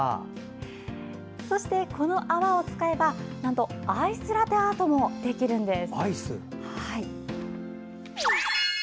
そして、この泡を使えばなんとアイスラテアートもできるんです。